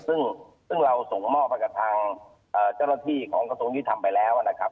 ซึ่งซึ่งเราส่งมอบไปกับทางเอ่อเจ้าหน้าที่ของขนาดนี้ทำไปแล้วนะครับ